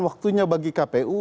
waktunya bagi kpu